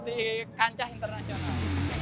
di kancah internasional